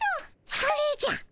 それじゃ！